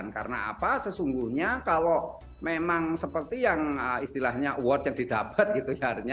karena apa sesungguhnya kalau memang seperti yang istilahnya award yang didapat gitu